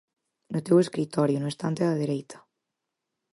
–No teu escritorio, no estante da dereita...